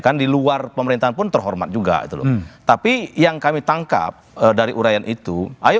kan di luar pemerintahan pun terhormat juga itu loh tapi yang kami tangkap dari urayan itu ayo